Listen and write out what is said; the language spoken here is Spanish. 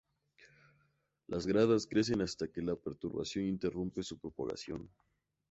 Las gradas crecen hasta que la perturbación interrumpe su propagación.